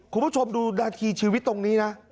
คุณผู้ชมดูนาทีชีวิตตรงนี้นะ